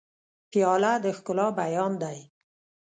پیاله د ښکلا بیان دی.